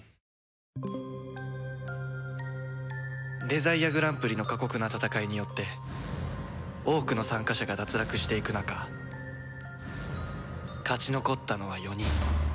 デザイアグランプリの過酷な戦いによって多くの参加者が脱落していく中勝ち残ったのは４人